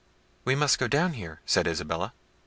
"We must go down here," said Isabella.